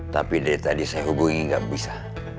tapi dari tadi saya hubungi nggak bisa